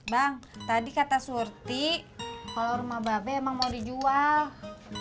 bang tadi kata surti kalau rumah babe emang mau dijual